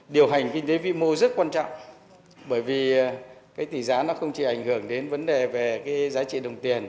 điều hành kinh tế vĩ mô rất quan trọng bởi vì tỷ giá không chỉ ảnh hưởng đến vấn đề về giá trị đồng tiền